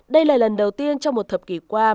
đây là lần đầu tiên trong một thập kỷ qua